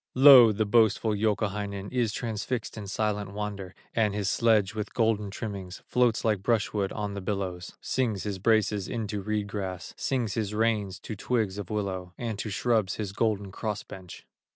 Lo! the boastful Youkahainen Is transfixed in silent wonder, And his sledge with golden trimmings Floats like brushwood on the billows; Sings his braces into reed grass, Sings his reins to twigs of willow, And to shrubs his golden cross bench.